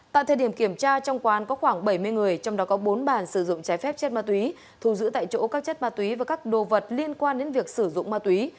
tại thời điểm kiểm tra trong quán có khoảng bảy mươi người trong đó có bốn bàn sử dụng trái phép chất ma túy thù giữ tại chỗ các chất ma túy và các đồ vật liên quan đến việc sử dụng ma túy